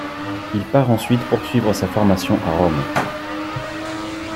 Il part ensuite poursuivre sa formation à Rome.